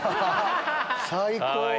最高。